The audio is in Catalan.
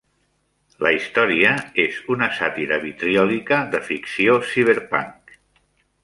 La història és una sàtira vitriòlica de ficció ciberpunk.